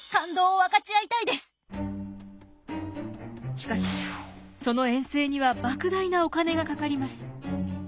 しかしその遠征にはばく大なお金がかかります。